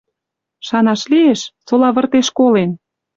Шанаш лиэш, сола выртеш колен